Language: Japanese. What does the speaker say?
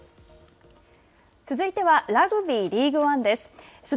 続いてはラグビーリーグワンです。